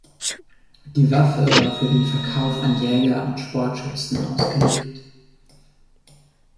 Die Waffe war für den Verkauf an Jäger und Sportschützen ausgelegt.